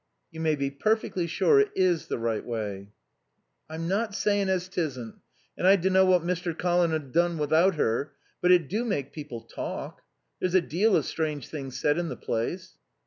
"You may be perfectly sure it is the right way." "I'm not sayin' as 'tisn't. And I dunnow what Master Colin'd a done without her. But it do make people talk. There's a deal of strange things said in the place."